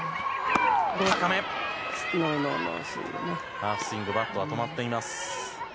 ハーフスイングバットは止まっています。